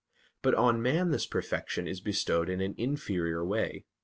But on man this perfection is bestowed in an inferior way.